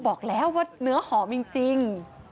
บอกแล้วว่าเนื้อหอมจริง